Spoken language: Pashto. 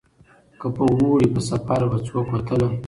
که په اوړي په سفر به څوک وتله